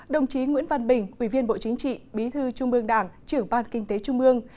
đồng chí nguyễn văn bình ủy viên bộ chính trị bí thư trung ương đảng trưởng ban kinh tế trung ương